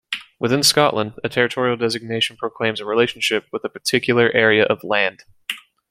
Within Scotland, a territorial designation proclaims a relationship with a particular area of land.